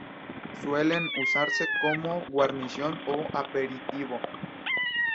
Suelen usarse como guarnición o aperitivo.